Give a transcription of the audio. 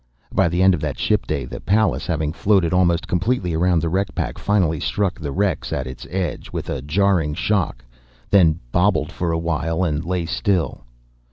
By the end of that ship day, the Pallas, having floated almost completely around the wreck pack, finally struck the wrecks at its edge with a jarring shock; then bobbed for a while and lay still.